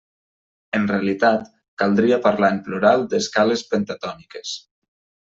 En realitat, caldria parlar en plural d'escales pentatòniques.